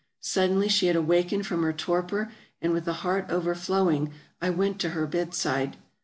Suddenly she had awakened from her torpor, and with a heart overflowing I went to her bedside.